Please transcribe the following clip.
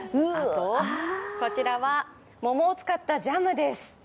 こちらは桃を使ったジャムです。